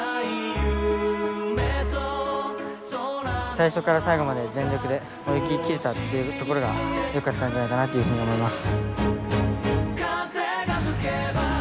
最初から最後まで全力で泳ぎきれたというところがよかったんじゃないかなと思います。